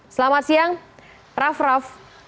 selamat siang raff raff